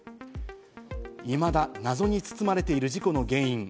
いまだ謎に包まれている事故の原因。